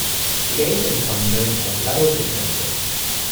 The games have become known as the Battle of Connecticut.